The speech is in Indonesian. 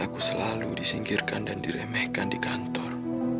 aku selalu disingkirkan dan diremehkan di kantor